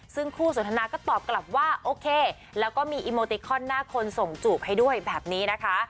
ซึ่งคู่สนทนาก็ตอบกลับว่าโอเคแล้วก็มีอีโมติคอนหน้าคนส่งจูบให้ด้วยแบบนี้นะคะ